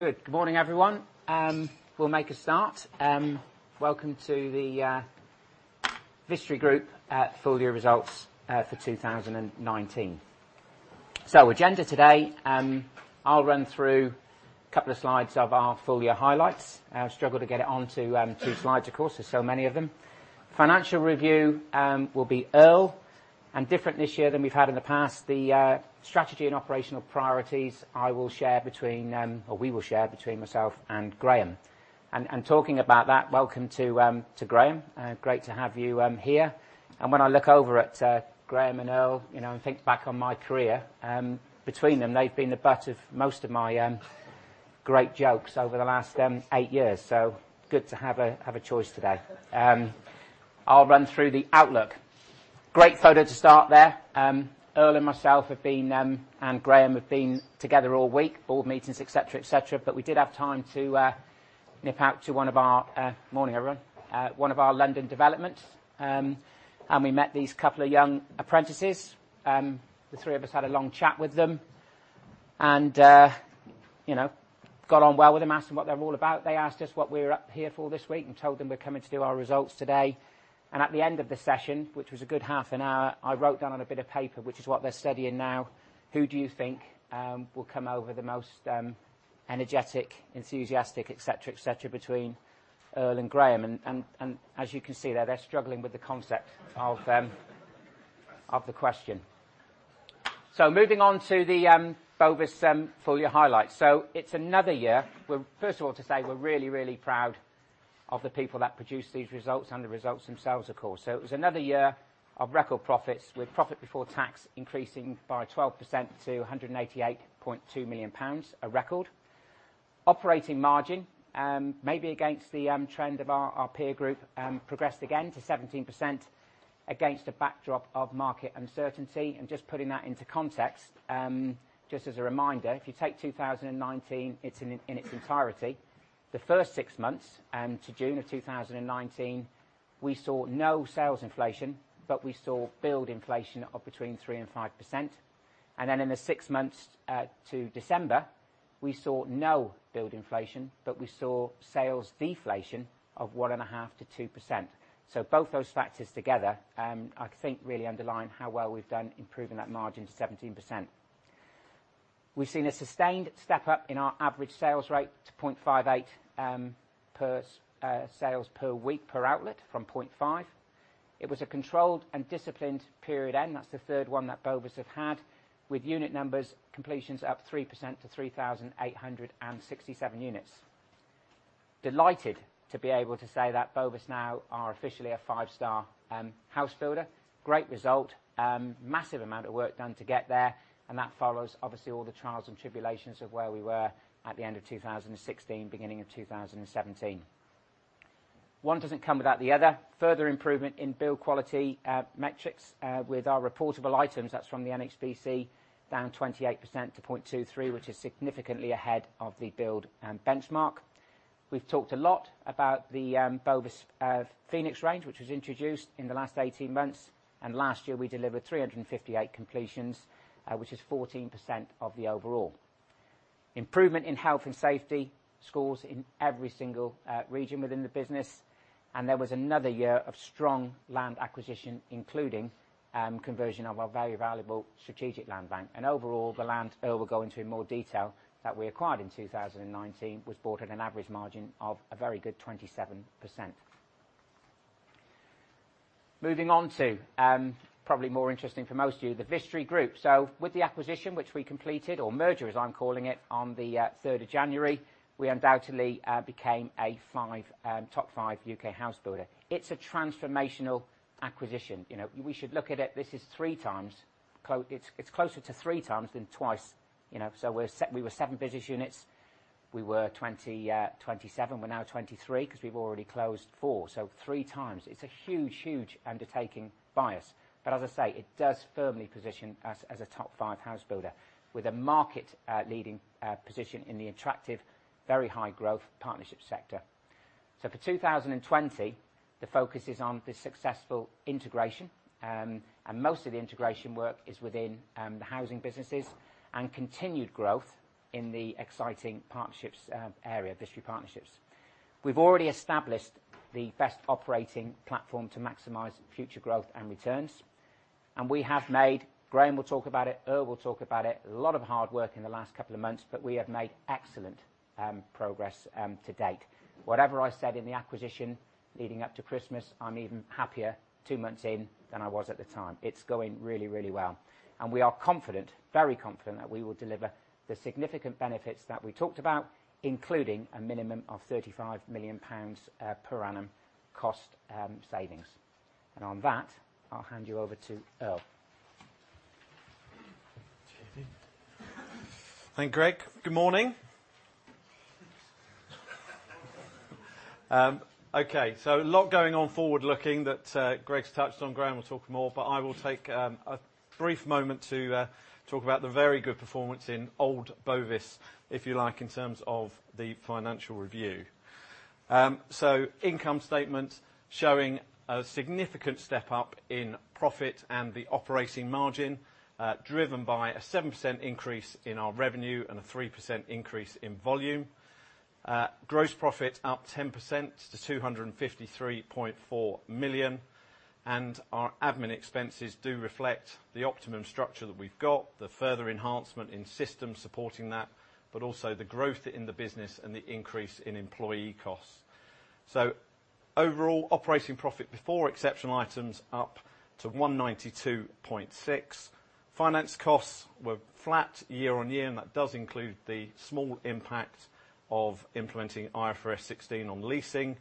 Good morning, everyone. We'll make a start. Welcome to the Vistry Group full year results for 2019. Agenda today, I'll run through a couple of slides of our full year highlights. I struggle to get it onto two slides, of course, there's so many of them. Financial review will be Earl, and different this year than we've had in the past, the strategy and operational priorities, I will share between, or we will share between myself and Graham. Talking about that, welcome to Graham. Great to have you here. When I look over at Graham and Earl, and think back on my career, between them, they've been the butt of most of my great jokes over the last eight years, so good to have a choice today. I'll run through the outlook. Great photo to start there. Earl and myself have been, and Graham, have been together all week, board meetings, etc, etc, but we did have time to nip out to one of our, morning, everyone, one of our London developments. We met these couple of young apprentices. The three of us had a long chat with them and got on well with them, asked them what they're all about. They asked us what we were up here for this week and told them we're coming to do our results today. At the end of the session, which was a good half an hour, I wrote down on a bit of paper, which is what they're studying now, who do you think will come over the most energetic, enthusiastic, etc, etc, between Earl and Graham. As you can see there, they're struggling with the concept of the question. Moving on to the Bovis full year highlights. It's another year. First of all, to say we're really, really proud of the people that produce these results and the results themselves, of course. It was another year of record profits, with profit before tax increasing by 12% to 188.2 million pounds. A record. Operating margin, maybe against the trend of our peer group, progressed again to 17% against a backdrop of market uncertainty. Just putting that into context, just as a reminder, if you take 2019 in its entirety, the first six months, to June of 2019, we saw no sales inflation, but we saw build inflation of between 3% and 5%. Then in the six months to December, we saw no build inflation, but we saw sales deflation of 1.5%-2%. Both those factors together, I think, really underline how well we've done improving that margin to 17%. We've seen a sustained step up in our average sales rate to 0.58 sales per week per outlet from 0.5. It was a controlled and disciplined period end, that's the third one that Bovis have had, with unit numbers, completions up 3% to 3,867 units. Delighted to be able to say that Bovis now are officially a five-star house builder. Great result. Massive amount of work done to get there, that follows obviously all the trials and tribulations of where we were at the end of 2016, beginning of 2017. One doesn't come without the other. Further improvement in build quality metrics with our reportable items, that's from the NHBC, down 28% to 0.23, which is significantly ahead of the build benchmark. We've talked a lot about the Bovis Phoenix range, which was introduced in the last 18 months, and last year we delivered 358 completions, which is 14% of the overall. Improvement in health and safety scores in every single region within the business. There was another year of strong land acquisition, including conversion of our very valuable strategic land bank. Overall, the land, Earl will go into in more detail, that we acquired in 2019, was bought at an average margin of a very good 27%. Moving on to, probably more interesting for most of you, the Vistry Group. With the acquisition which we completed, or merger as I'm calling it, on the 3rd of January, we undoubtedly became a top five U.K. house builder. It's a transformational acquisition. We should look at it, this is three times. It's closer to three times than twice. We were seven business units. We were 27, we're now 23 because we've already closed four, three times. It's a huge, huge undertaking by us. As I say, it does firmly position us as a top five house builder with a market leading position in the attractive, very high growth partnership sector. For 2020, the focus is on the successful integration, and most of the integration work is within the housing businesses, and continued growth in the exciting partnerships area, Vistry Partnerships. We've already established the best operating platform to maximize future growth and returns. We have made, Graham will talk about it, Earl will talk about it, a lot of hard work in the last couple of months, we have made excellent progress to date. Whatever I said in the acquisition leading up to Christmas, I'm even happier two months in than I was at the time. It's going really, really well. We are confident, very confident that we will deliver the significant benefits that we talked about, including a minimum of 35 million pounds per annum cost savings. On that, I'll hand you over to Earl. Thank you, Greg. Good morning. A lot going on forward looking that Greg's touched on. Graham will talk more, but I will take a brief moment to talk about the very good performance in old Bovis, if you like, in terms of the financial review. Income statement showing a significant step up in profit and the operating margin, driven by a 7% increase in our revenue and a 3% increase in volume. Gross profit up 10% to 253.4 million. Our admin expenses do reflect the optimum structure that we've got, the further enhancement in systems supporting that, but also the growth in the business and the increase in employee costs. Overall, operating profit before exceptional items up to 192.6 million. Finance costs were flat year-on-year, and that does include the small impact of implementing IFRS 16 on leasing.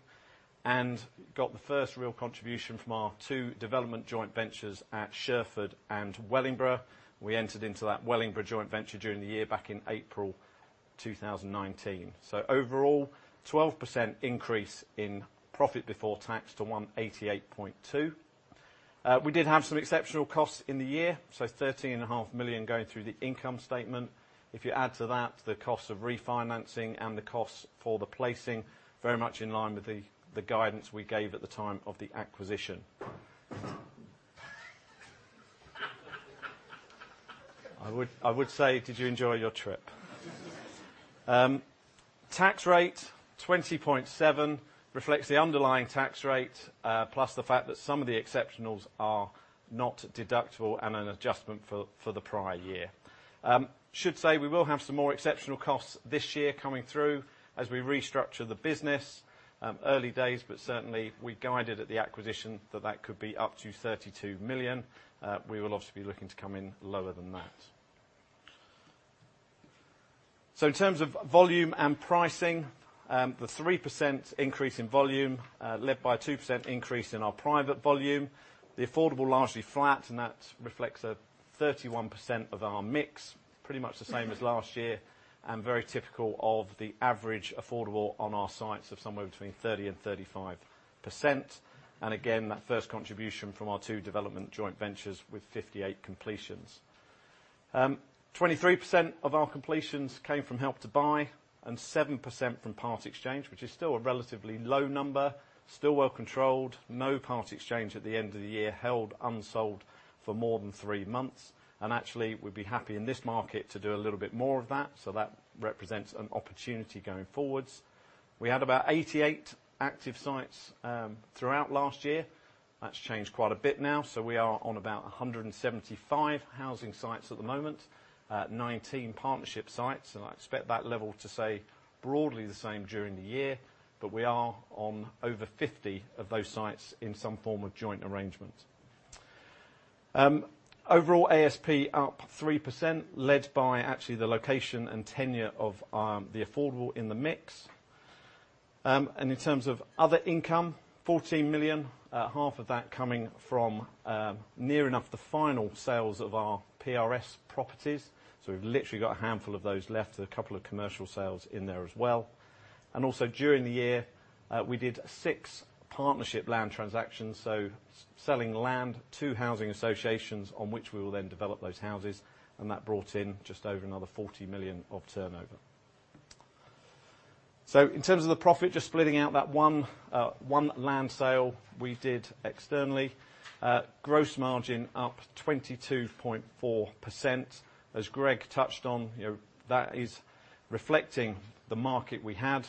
Got the first real contribution from our two development joint ventures at Sherford and Wellingborough. We entered into that Wellingborough joint venture during the year back in April 2019. Overall, 12% increase in profit before tax to 188.2 million. We did have some exceptional costs in the year, so 13.5 million going through the income statement. If you add to that, the cost of refinancing and the cost for the placing, very much in line with the guidance we gave at the time of the acquisition. I would say, "Did you enjoy your trip?" Tax rate, 20.7%, reflects the underlying tax rate, plus the fact that some of the exceptionals are not deductible and an adjustment for the prior year. Should say we will have some more exceptional costs this year coming through as we restructure the business. Early days, certainly we guided at the acquisition that that could be up to 32 million. We will obviously be looking to come in lower than that. In terms of volume and pricing, the 3% increase in volume, led by a 2% increase in our private volume. The affordable largely flat, that reflects a 31% of our mix, pretty much the same as last year, and very typical of the average affordable on our sites of somewhere between 30%-35%. Again, that first contribution from our two development joint ventures with 58 completions. 23% of our completions came from Help to Buy and 7% from part exchange, which is still a relatively low number, still well controlled. No part exchange at the end of the year held unsold for more than three months. Actually, we'd be happy in this market to do a little bit more of that represents an opportunity going forwards. We had about 88 active sites throughout last year. That's changed quite a bit now, we are on about 175 housing sites at the moment, 19 partnership sites, and I expect that level to say broadly the same during the year. We are on over 50 of those sites in some form of joint arrangement. Overall ASP up 3%, led by actually the location and tenure of the affordable in the mix. In terms of other income, 14 million, half of that coming from near enough the final sales of our PRS properties. We've literally got a handful of those left. There's a couple of commercial sales in there as well. Also during the year, we did six partnership land transactions, so selling land to housing associations on which we will then develop those houses, and that brought in just over another 40 million of turnover. In terms of the profit, just splitting out that one land sale we did externally. Gross margin up 22.4%. As Greg touched on, that is reflecting the market we had.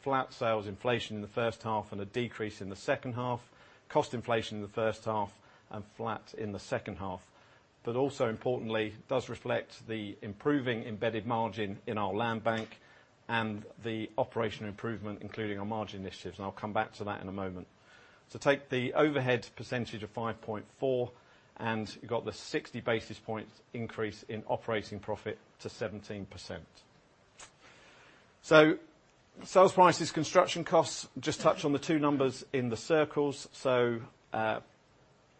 Flat sales inflation in the first half and a decrease in the second half, cost inflation in the first half and flat in the second half. Also importantly, does reflect the improving embedded margin in our land bank and the operational improvement, including our margin initiatives, and I'll come back to that in a moment. Take the overhead percentage of 5.4%, and you got the 60 basis points increase in operating profit to 17%. Sales prices, construction costs, just touch on the two numbers in the circles.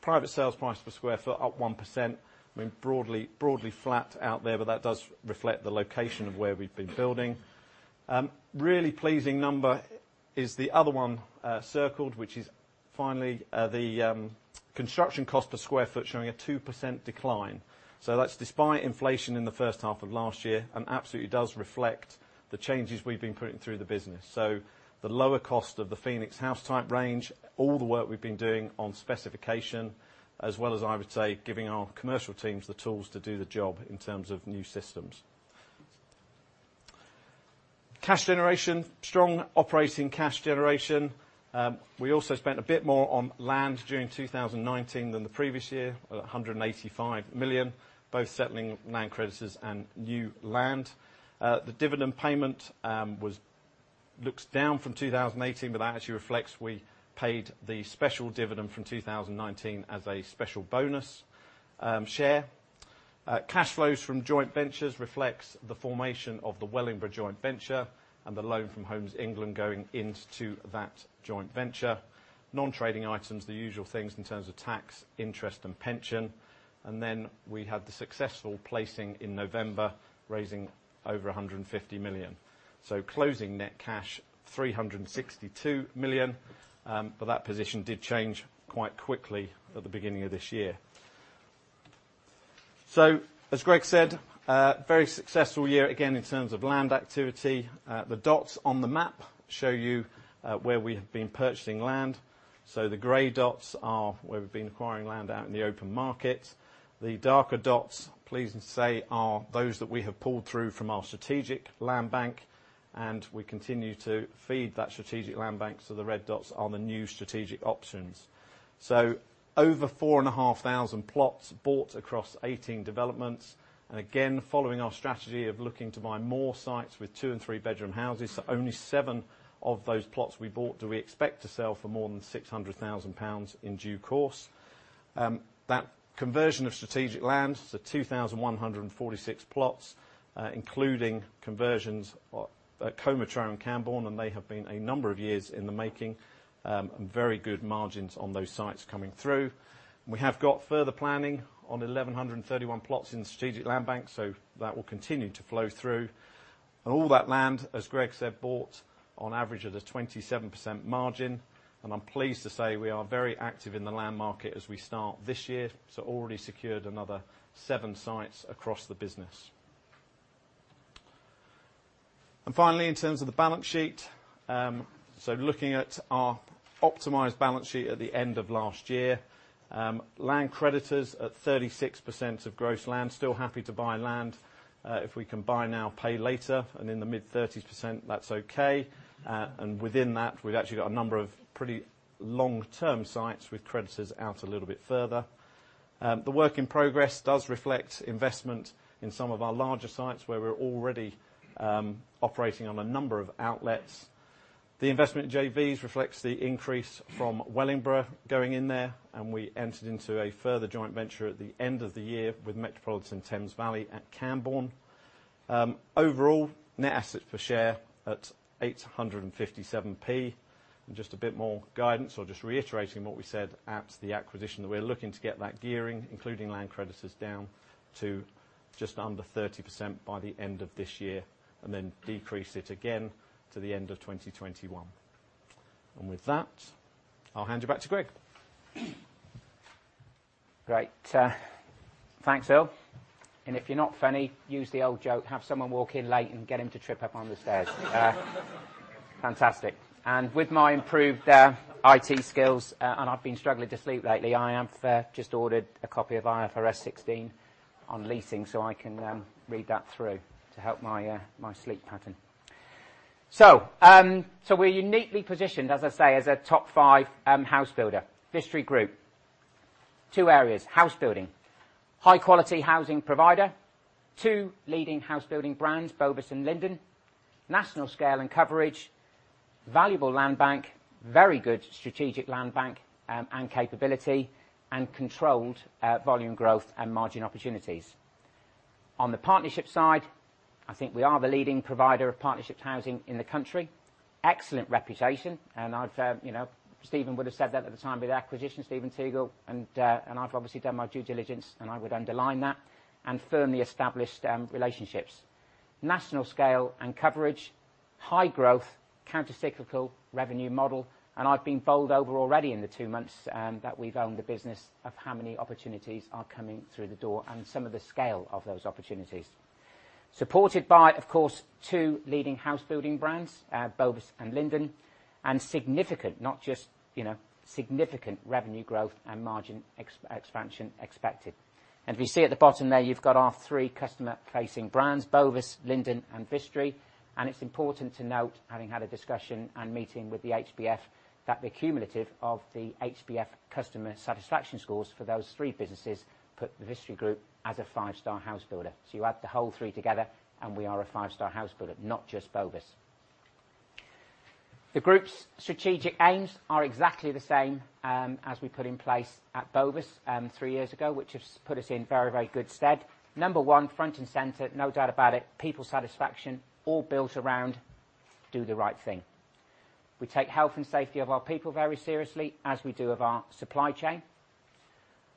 Private sales price per square foot up 1%, broadly flat out there, but that does reflect the location of where we've been building. Really pleasing number is the other one circled, which is finally the construction cost per square foot showing a 2% decline. That's despite inflation in the first half of last year and absolutely does reflect the changes we've been putting through the business. The lower cost of the Phoenix house type range, all the work we've been doing on specification, as well as I would say, giving our commercial teams the tools to do the job in terms of new systems. Cash generation, strong operating cash generation. We also spent a bit more on land during 2019 than the previous year, 185 million, both settling land creditors and new land. The dividend payment looks down from 2018, that actually reflects we paid the special dividend from 2019 as a special bonus share. Cash flows from joint ventures reflects the formation of the Wellingborough joint venture and the loan from Homes England going into that joint venture. Non-trading items, the usual things in terms of tax, interest and pension. We had the successful placing in November, raising over 150 million. Closing net cash, 362 million. That position did change quite quickly at the beginning of this year. As Greg said, very successful year again in terms of land activity. The dots on the map show you where we have been purchasing land. The gray dots are where we've been acquiring land out in the open market. The darker dots, pleased to say, are those that we have pulled through from our strategic land bank. We continue to feed that strategic land bank. The red dots are the new strategic options. Over 4,500 plots bought across 18 developments. Again, following our strategy of looking to buy more sites with two and three-bedroom houses, only seven of those plots we bought do we expect to sell for more than 600,000 pounds in due course. That conversion of strategic land, 2,146 plots, including conversions at [Combe Trotton] Camborne. They have been a number of years in the making, very good margins on those sites coming through. We have got further planning on 1,131 plots in the strategic land bank. That will continue to flow through. All that land, as Greg said, bought on average at a 27% margin. I'm pleased to say we are very active in the land market as we start this year, already secured another seven sites across the business. Finally, in terms of the balance sheet, looking at our optimized balance sheet at the end of last year. Land creditors at 36% of gross land. Still happy to buy land. If we can buy now, pay later, and in the mid-30%, that's okay. Within that, we've actually got a number of pretty long-term sites with creditors out a little bit further. The work in progress does reflect investment in some of our larger sites, where we're already operating on a number of outlets. The investment at JVs reflects the increase from Wellingborough going in there, we entered into a further joint venture at the end of the year with Metropolitan Thames Valley at Camborne. Overall, net assets per share at 8.57. Just a bit more guidance or just reiterating what we said at the acquisition, that we're looking to get that gearing, including land creditors, down to just under 30% by the end of this year, then decrease it again to the end of 2021. With that, I'll hand you back to Greg. Great. Thanks, Earl. If you're not funny, use the old joke, have someone walk in late and get him to trip up on the stairs. Fantastic. With my improved IT skills, and I've been struggling to sleep lately, I have just ordered a copy of IFRS 16 on leasing, so I can read that through to help my sleep pattern. We're uniquely positioned, as I say, as a top five house builder. Vistry Group. Two areas. House building. High quality housing provider. Two leading house building brands, Bovis and Linden. National scale and coverage. Valuable land bank. Very good strategic land bank and capability, and controlled volume growth and margin opportunities. On the partnership side, I think we are the leading provider of partnership housing in the country. Excellent reputation. Stephen would have said that at the time of the acquisition, Stephen Teagle. I've obviously done my due diligence, and I would underline that, and firmly established relationships. National scale and coverage. High growth. Counter-cyclical revenue model. I've been bowled over already in the two months that we've owned the business of how many opportunities are coming through the door, and some of the scale of those opportunities. Supported by, of course, two leading housebuilding brands, Bovis and Linden. Significant revenue growth and margin expansion expected. If you see at the bottom there, you've got our three customer-facing brands, Bovis, Linden, and Vistry. It's important to note, having had a discussion and meeting with the HBF, that the cumulative of the HBF customer satisfaction scores for those three businesses put the Vistry Group as a five-star housebuilder. You add the whole three together, and we are a five-star house builder, not just Bovis. The group's strategic aims are exactly the same as we put in place at Bovis three years ago, which has put us in very, very good stead. Number one, front and center, no doubt about it, people satisfaction, all built around do the right thing. We take health and safety of our people very seriously, as we do of our supply chain.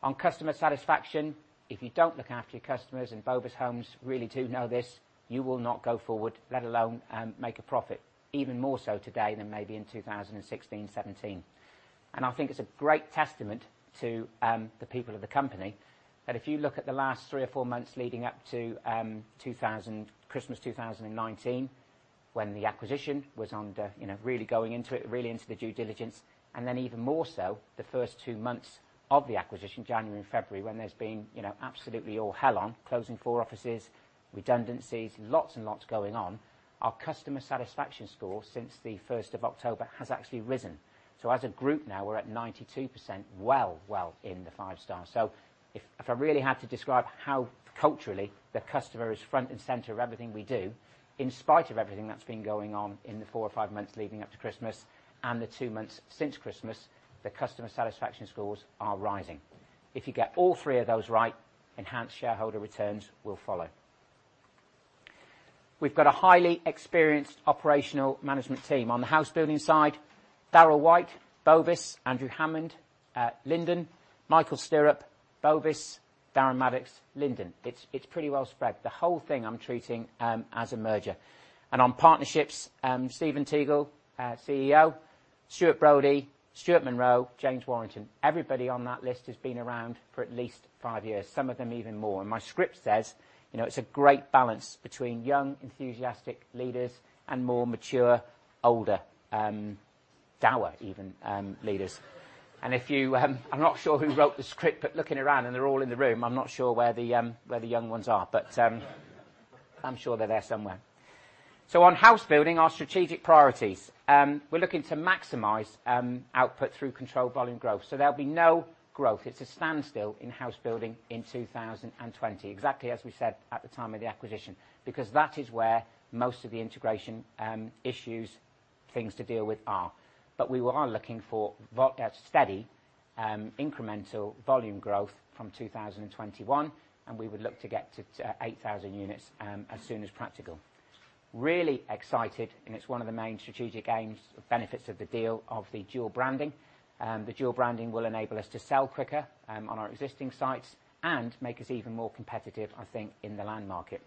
On customer satisfaction, if you don't look after your customers, and Bovis Homes really do know this, you will not go forward, let alone make a profit, even more so today than maybe in 2016, 2017. I think it's a great testament to the people of the company that if you look at the last three or four months leading up to Christmas 2019, when the acquisition was really going into it, really into the due diligence, and then even more so the first two months of the acquisition, January and February, when there's been absolutely all hell on, closing four offices, redundancies, lots and lots going on, our customer satisfaction score since the 1st October has actually risen. As a group now, we're at 92%, well, well in the five-star. If I really had to describe how culturally the customer is front and center of everything we do, in spite of everything that's been going on in the four or five months leading up to Christmas, and the two months since Christmas, the customer satisfaction scores are rising. If you get all three of those right, enhanced shareholder returns will follow. We've got a highly experienced operational management team. On the house building side, Darrell White, Bovis, Andrew Hammond, Linden, Michael Stirrup, Bovis, Darren Maddox, Linden. It's pretty well spread. The whole thing I'm treating as a merger. On partnerships, Stephen Teagle, CEO, Stuart Brody, Stuart Monroe, James Warrington, everybody on that list has been around for at least five years, some of them even more. My script says, "It's a great balance between young, enthusiastic leaders and more mature, older, dour even, leaders." I'm not sure who wrote the script, but looking around, and they're all in the room, I'm not sure where the young ones are. I'm sure they're there somewhere. On house building, our strategic priorities, we're looking to maximize output through controlled volume growth. There'll be no growth, it's a standstill in housebuilding in 2020, exactly as we said at the time of the acquisition, because that is where most of the integration issues, things to deal with are. We are looking for steady, incremental volume growth from 2021, and we would look to get to 8,000 units as soon as practical. We are really excited, and it's one of the main strategic aims, benefits of the deal, of the dual branding. The dual branding will enable us to sell quicker on our existing sites and make us even more competitive, I think, in the land market.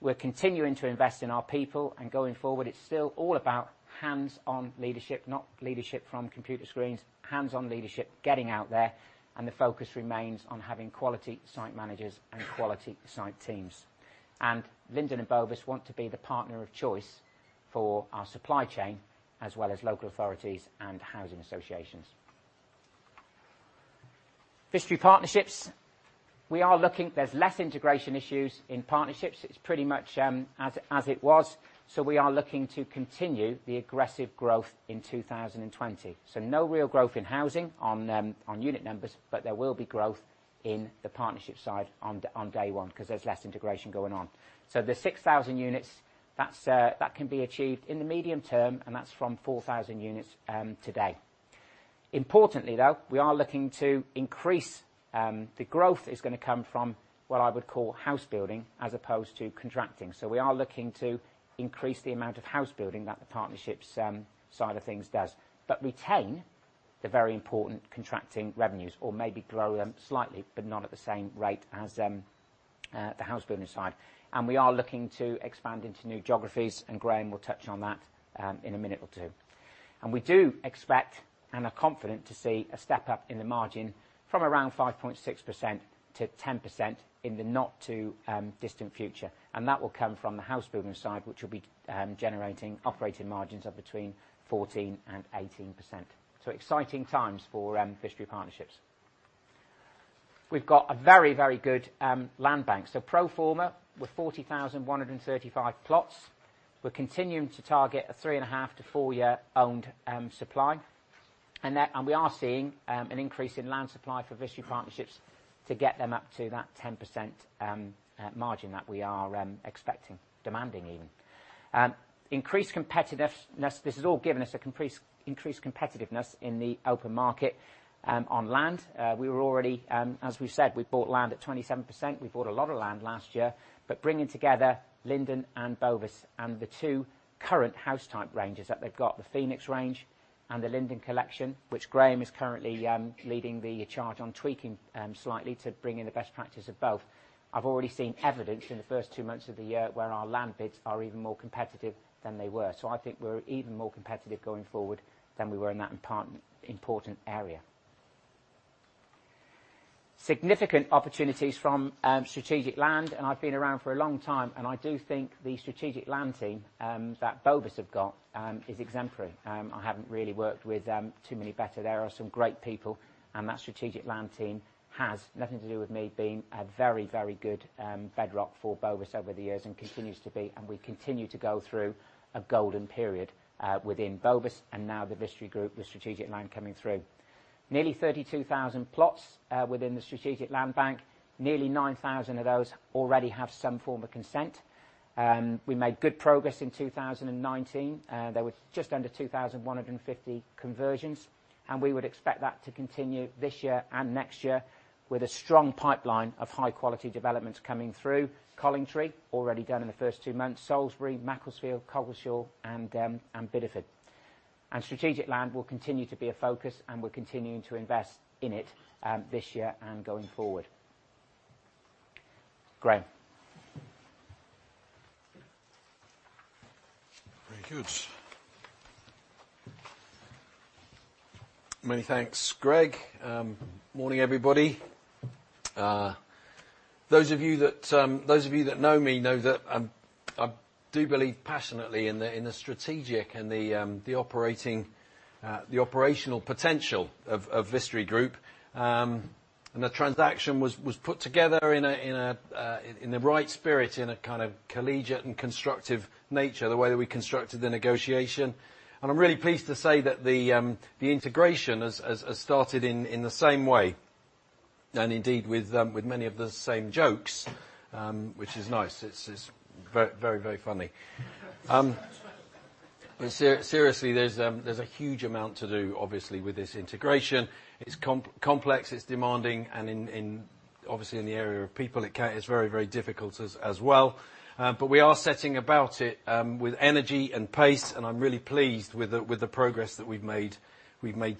We're continuing to invest in our people, and going forward, it's still all about hands-on leadership, not leadership from computer screens, hands-on leadership, getting out there, and the focus remains on having quality site managers and quality site teams. Linden and Bovis want to be the partner of choice for our supply chain, as well as local authorities and housing associations. Vistry Partnerships, there's less integration issues in Vistry Partnerships. It's pretty much as it was. We are looking to continue the aggressive growth in 2020. No real growth in housing on unit numbers, but there will be growth in the Vistry Partnerships side on day one, because there's less integration going on. The 6,000 units, that can be achieved in the medium term, and that's from 4,000 units today. Importantly, though, we are looking to increase the growth is going to come from what I would call housebuilding as opposed to contracting. We are looking to increase the amount of house building that the Partnerships side of things does, but retain the very important contracting revenues or maybe grow them slightly, but not at the same rate as the house building side. We are looking to expand into new geographies, and Graham will touch on that in a minute or two. We do expect, and are confident to see, a step up in the margin from around 5.6% to 10% in the not too distant future. That will come from the house building side, which will be generating operating margins of between 14% and 18%. Exciting times for Vistry Partnerships. We've got a very good land bank. Pro forma, we're 40,135 plots. We're continuing to target a three and a half to four year owned supply. We are seeing an increase in land supply for Vistry Partnerships to get them up to that 10% margin that we are expecting, demanding even. Increased competitiveness. This has all given us increased competitiveness in the open market, on land. We were already, as we've said, we bought land at 27%. We bought a lot of land last year. Bringing together Linden and Bovis and the two current house type ranges that they've got, the Phoenix range and the Linden Collection, which Graham is currently leading the charge on tweaking slightly to bring in the best practice of both. I've already seen evidence in the first two months of the year where our land bids are even more competitive than they were. I think we're even more competitive going forward than we were in that important area. Significant opportunities from strategic land. I've been around for a long time. I do think the strategic land team that Bovis have got is exemplary. I haven't really worked with too many better. There are some great people. That strategic land team has, nothing to do with me, been a very, very good bedrock for Bovis over the years and continues to be. We continue to go through a golden period within Bovis and now the Vistry Group, with strategic land coming through. Nearly 32,000 plots within the strategic land bank. Nearly 9,000 of those already have some form of consent. We made good progress in 2019. There were just under 2,150 conversions. We would expect that to continue this year and next year with a strong pipeline of high quality developments coming through. Collingtree already done in the first two months, Salisbury, Macclesfield, Coggeshall, and Bideford. Strategic land will continue to be a focus and we're continuing to invest in it this year and going forward. Graham. Very good. Many thanks, Greg. Morning, everybody. Those of you that know me know that I do believe passionately in the strategic and the operational potential of Vistry Group. The transaction was put together in the right spirit, in a kind of collegiate and constructive nature, the way that we constructed the negotiation. I'm really pleased to say that the integration has started in the same way, and indeed with many of the same jokes, which is nice. It's very, very funny. Seriously, there's a huge amount to do, obviously, with this integration. It's complex, it's demanding, and obviously in the area of people, it's very, very difficult as well. We are setting about it with energy and pace, and I'm really pleased with the progress that we've made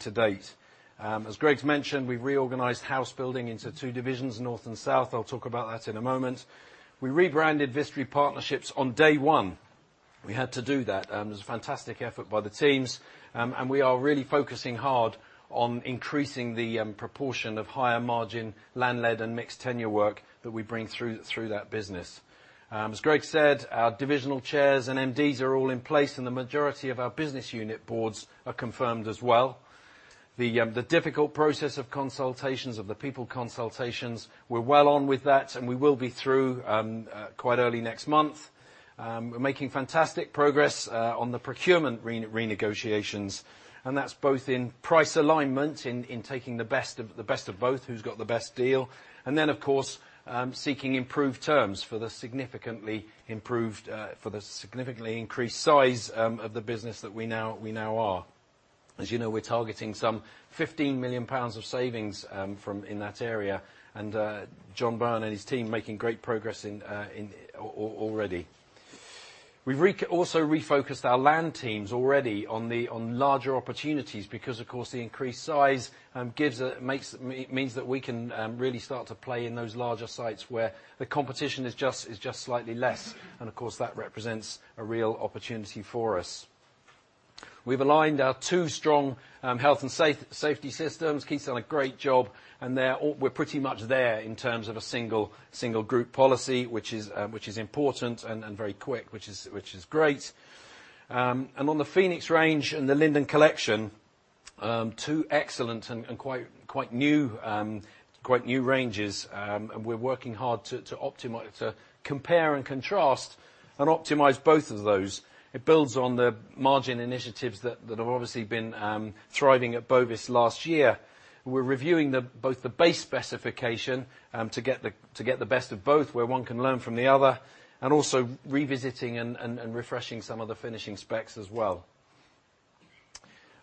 to date. As Greg's mentioned, we reorganized housebuilding into two divisions, North and South. I'll talk about that in a moment. We rebranded Vistry Partnerships on day one. We had to do that. It was a fantastic effort by the teams. We are really focusing hard on increasing the proportion of higher margin land led and mixed tenure work that we bring through that business. As Greg said, our divisional chairs and MDs are all in place and the majority of our business unit boards are confirmed as well. The difficult process of consultations, of the people consultations, we're well on with that, and we will be through quite early next month. We're making fantastic progress on the procurement renegotiations, and that's both in price alignment, in taking the best of both, who's got the best deal. Then, of course, seeking improved terms for the significantly increased size of the business that we now are. As you know, we're targeting some 15 million pounds of savings in that area, and John Byrne and his team making great progress already. We've also refocused our land teams already on larger opportunities because, of course, the increased size means that we can really start to play in those larger sites where the competition is just slightly less. Of course, that represents a real opportunity for us. We've aligned our two strong health and safety systems. Keith's done a great job, and we're pretty much there in terms of a single group policy, which is important and very quick, which is great. On the Phoenix range and the Linden Collection, two excellent and quite new ranges, and we're working hard to compare and contrast and optimize both of those. It builds on the margin initiatives that have obviously been thriving at Bovis last year. We're reviewing both the base specification to get the best of both, where one can learn from the other, and also revisiting and refreshing some of the finishing specs as well.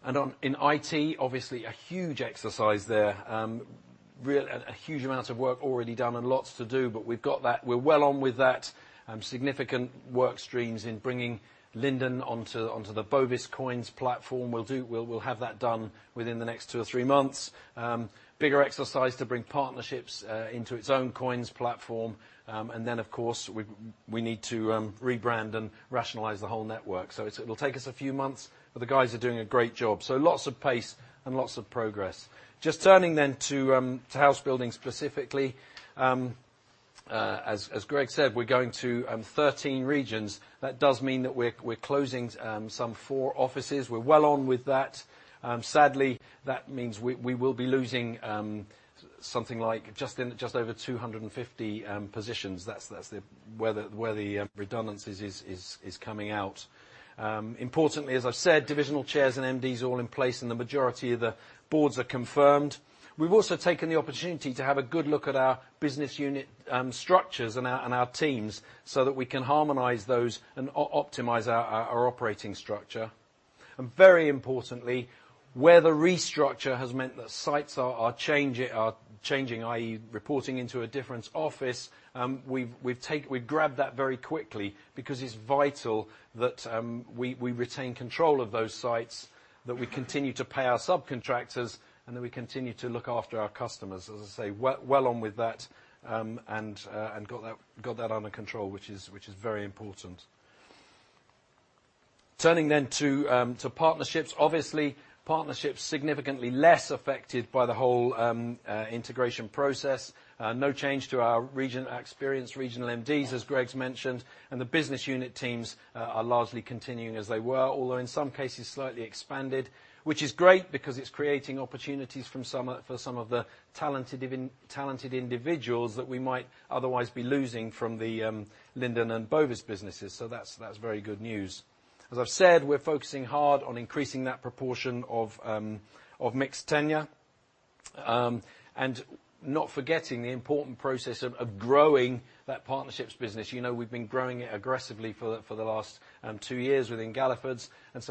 In IT, obviously a huge exercise there. A huge amount of work already done and lots to do, but we've got that. We're well on with that. Significant work streams in bringing Linden onto the Bovis COINS platform. We'll have that done within the next two or three months. Bigger exercise to bring Partnerships into its own COINS platform. Of course, we need to rebrand and rationalize the whole network. It'll take us a few months, but the guys are doing a great job. Lots of pace and lots of progress. Just turning to house building specifically. As Greg said, we're going to 13 regions. That does mean that we're closing some four offices. We're well on with that. Sadly, that means we will be losing something like just over 250 positions. That's where the redundancies is coming out. Importantly, as I've said, divisional chairs and MDs all in place, and the majority of the boards are confirmed. We've also taken the opportunity to have a good look at our business unit structures and our teams so that we can harmonize those and optimize our operating structure. Very importantly, where the restructure has meant that sites are changing, i.e. reporting into a different office, we've grabbed that very quickly because it's vital that we retain control of those sites, that we continue to pay our subcontractors, and that we continue to look after our customers. As I say, well on with that, and got that under control, which is very important. Turning to Partnerships. Obviously, Partnerships significantly less affected by the whole integration process. No change to our experienced regional MDs, as Greg mentioned. The business unit teams are largely continuing as they were, although in some cases slightly expanded. Which is great because it's creating opportunities for some of the talented individuals that we might otherwise be losing from the Linden and Bovis businesses. That's very good news. As I've said, we're focusing hard on increasing that proportion of mixed tenure, and not forgetting the important process of growing that Partnerships business. We've been growing it aggressively for the last two years within Galliford's, it's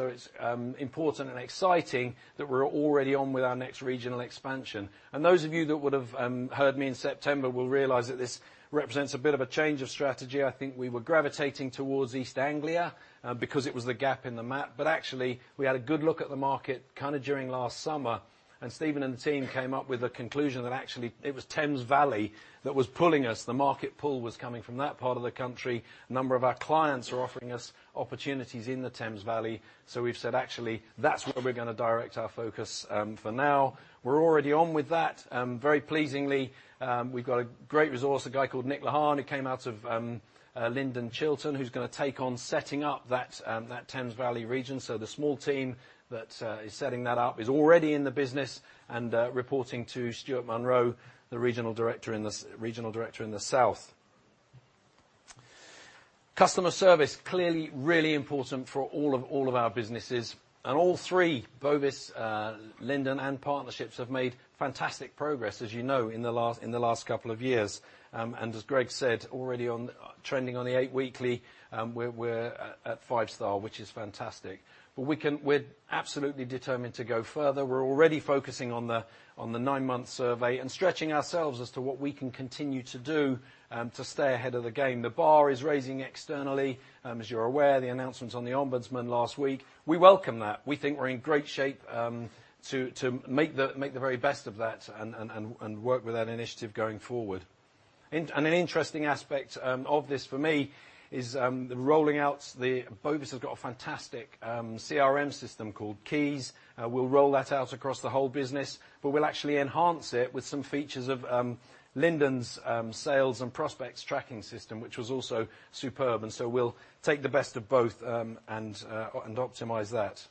important and exciting that we're already on with our next regional expansion. Those of you that would have heard me in September will realize that this represents a bit of a change of strategy. I think we were gravitating towards East Anglia because it was the gap in the map. Actually, we had a good look at the market kind of during last summer, and Stephen and the team came up with the conclusion that actually it was Thames Valley that was pulling us. The market pull was coming from that part of the country. A number of our clients are offering us opportunities in the Thames Valley. We've said actually, that's where we're going to direct our focus for now. We're already on with that. Very pleasingly, we've got a great resource, a guy called Nick Lahan, who came out of Linden Chilton, who's going to take on setting up that Thames Valley region. The small team that is setting that up is already in the business and reporting to Stuart Monroe, the regional director in the south. Customer service, clearly really important for all of our businesses, and all three, Bovis, Linden, and Partnerships have made fantastic progress, as you know, in the last couple of years. As Greg said, already trending on the eight weekly. We're at five star, which is fantastic. We're absolutely determined to go further. We're already focusing on the nine-month survey and stretching ourselves as to what we can continue to do to stay ahead of the game. The bar is raising externally. As you're aware, the announcement on the Ombudsman last week, we welcome that. We think we're in great shape to make the very best of that and work with that initiative going forward. An interesting aspect of this for me is the rolling out. Bovis has got a fantastic CRM system called Keys. We'll roll that out across the whole business, but we'll actually enhance it with some features of Linden's sales and prospects tracking system, which was also superb. We'll take the best of both and optimize that.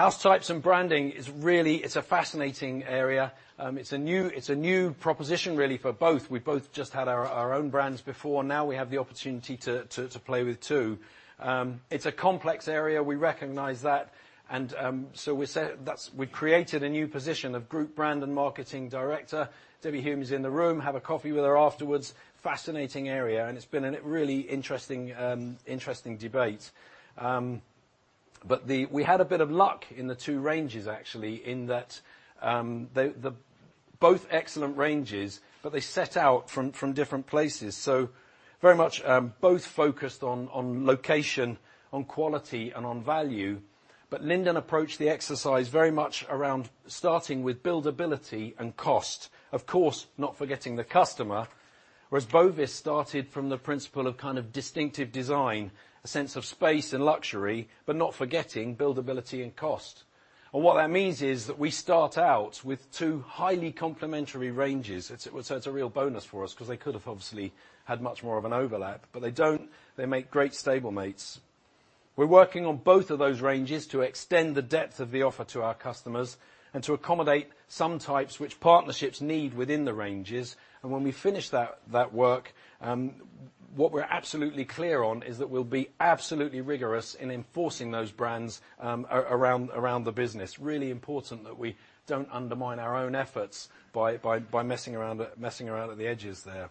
House types and branding, it's a fascinating area. It's a new proposition, really, for both. We both just had our own brands before. Now we have the opportunity to play with two. It's a complex area. We recognize that. We've created a new position of Group Brand and Marketing Director. Debbie Hume is in the room. Have a coffee with her afterwards. Fascinating area, and it's been a really interesting debate. We had a bit of luck in the two ranges, actually, in that both excellent ranges, but they set out from different places. Very much both focused on location, on quality, and on value. Linden approached the exercise very much around starting with buildability and cost, of course, not forgetting the customer. Whereas Bovis started from the principle of kind of distinctive design, a sense of space and luxury, but not forgetting buildability and cost. What that means is that we start out with two highly complementary ranges. It's a real bonus for us because they could have obviously had much more of an overlap, but they don't. They make great stable mates. We're working on both of those ranges to extend the depth of the offer to our customers and to accommodate some types which partnerships need within the ranges. When we finish that work, what we're absolutely clear on is that we'll be absolutely rigorous in enforcing those brands around the business. Really important that we don't undermine our own efforts by messing around at the edges there.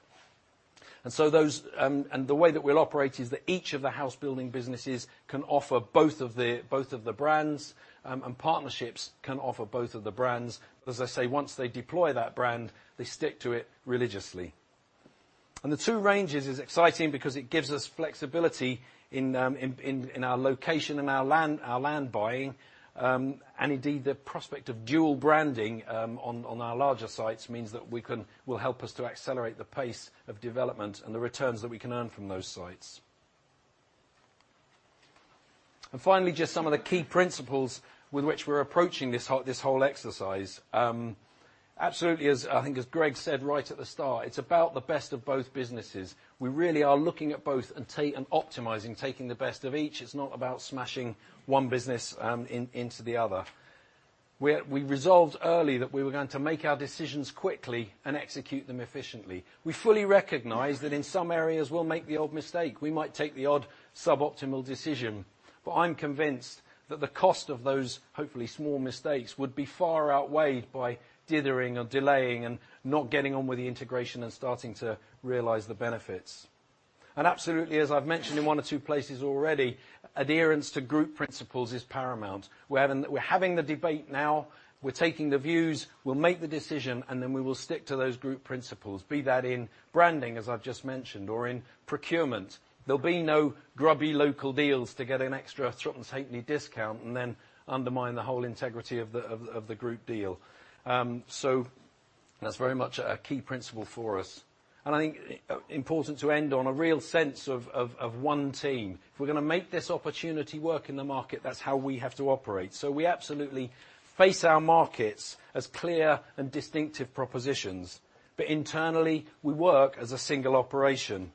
The way that we'll operate is that each of the house building businesses can offer both of the brands, and Partnerships can offer both of the brands. As I say, once they deploy that brand, they stick to it religiously. The two ranges is exciting because it gives us flexibility in our location and our land buying. Indeed, the prospect of dual branding on our larger sites means that will help us to accelerate the pace of development and the returns that we can earn from those sites. Finally, just some of the key principles with which we're approaching this whole exercise. Absolutely, I think as Greg said right at the start, it's about the best of both businesses. We really are looking at both and optimizing, taking the best of each. It's not about smashing one business into the other. We resolved early that we were going to make our decisions quickly and execute them efficiently. We fully recognize that in some areas we'll make the odd mistake. We might take the odd suboptimal decision. I'm convinced that the cost of those, hopefully, small mistakes would be far outweighed by dithering or delaying and not getting on with the integration and starting to realize the benefits. Absolutely, as I've mentioned in one or two places already, adherence to group principles is paramount. We're having the debate now, we're taking the views, we'll make the decision, and then we will stick to those group principles, be that in branding, as I've just mentioned, or in procurement. There'll be no grubby local deals to get an extra [Thornton's Hatley] discount and then undermine the whole integrity of the group deal. That's very much a key principle for us. I think important to end on a real sense of one team. If we're going to make this opportunity work in the market, that's how we have to operate. We absolutely face our markets as clear and distinctive propositions. Internally, we work as a single operation.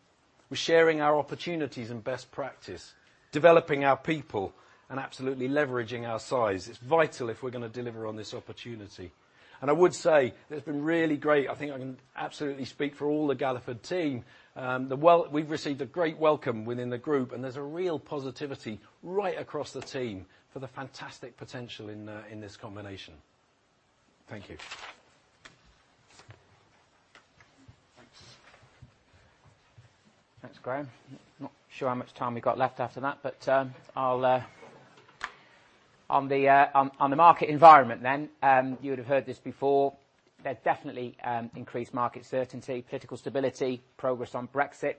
We're sharing our opportunities and best practice, developing our people, and absolutely leveraging our size. It's vital if we're going to deliver on this opportunity. I would say it's been really great. I think I can absolutely speak for all the Galliford team. We've received a great welcome within the group, and there's a real positivity right across the team for the fantastic potential in this combination. Thank you. Thanks. Thanks, Graham. Not sure how much time we got left after that, but on the market environment then, you would have heard this before. There's definitely increased market certainty, political stability, progress on Brexit.